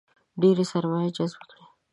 ډېره سرمایه جذبه کړي.